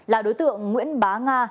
là đối tượng nguyễn bá nga